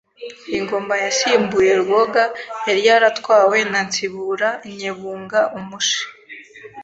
Ingoma yasimbuye Rwoga yari yaratwawe na Nsibura Nyebunga umushi